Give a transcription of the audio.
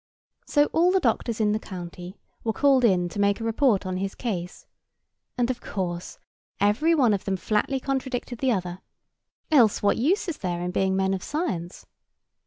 So all the doctors in the county were called in to make a report on his case; and of course every one of them flatly contradicted the other: else what use is there in being men of science?